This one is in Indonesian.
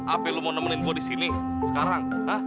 apa yang lo mau nemenin gue di sini sekarang ha